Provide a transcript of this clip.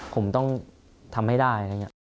ผมต้องทำให้ได้